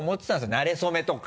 なれそめとか。